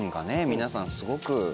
皆さんすごく。